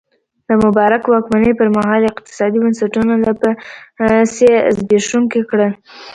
د مبارک واکمنۍ پرمهال اقتصادي بنسټونه لا پسې زبېښونکي کړل.